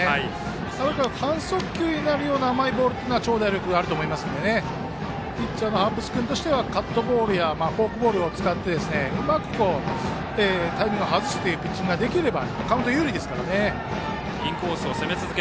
ただ、半速球になるような甘いボールは長打力があると思いますのでピッチャーのハッブス君としてはカットボールやフォークボールを使ってうまくタイミングを外すピッチングができれば。